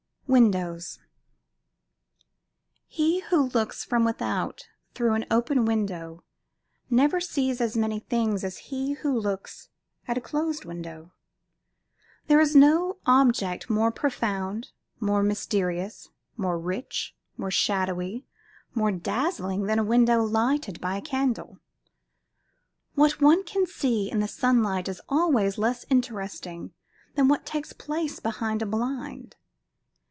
WINDOWS He who looks from without through an open window never sees as many things as he who looks at a closed window. There is no object more profound, more mysterious, more rich, more shadowy, more dazzling than a window lighted by a candle. What one can see in the sunlight is always less interesting than what takes place behind a blind.